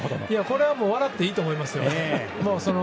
これは笑っていいと思いますよ。